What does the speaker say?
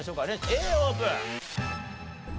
Ａオープン！